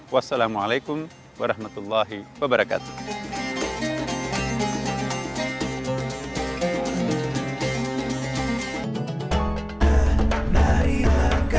wassalamualaikum warahmatullahi wabarakatuh